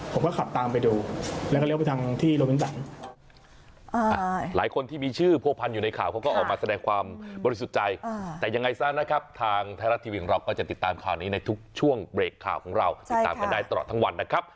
ผมก็ขับตามไปดูแล้วก็เรียกว่าทางที่โรงวิทยาลัยศาสตร์